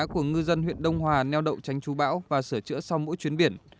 của ngư dân huyện đông hòa neo đậu tránh chú bão và sửa chữa sau mỗi chuyến biển